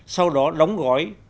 sau đó đóng gói